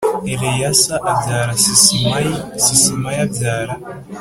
Eleyasa abyara Sisimayi Sisimayi abyara